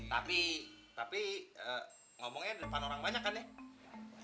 tapi tapi ngomongnya di depan orang banyak kan ya